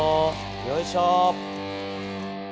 よいしょ。